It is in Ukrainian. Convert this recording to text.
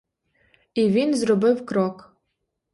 І він зробив крок.